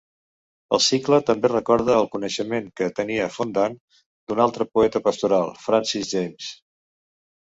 El cicle també recorda el coneixement que tenia Fondane d'un altre poeta pastoral, Francis Jammes.